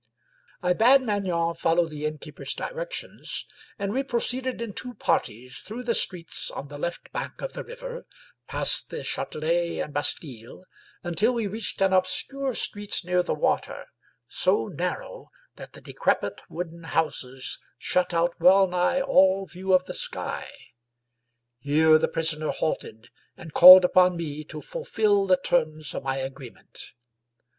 I bade Maignan follow the innkeeper's directions, and we proceeded in two parties through the streets on the left bank of the river, past the Chatelet and Bastile, until we reached an obscure street near the water, so narrow that the decrepit wooden houses shut out well nigh all view of the sky. Here the prisoner halted and called upon me to fulfill the terms of my agree ment.